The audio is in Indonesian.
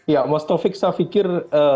ya mas taufik saya pikir